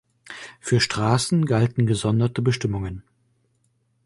Für Straßen galten gesonderte Bestimmungen.